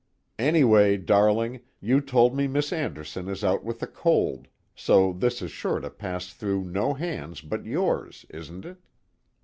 Anyway, darling, you told me Miss Anderson is out with a cold, so this is sure to pass through no hands but yours, isn't it?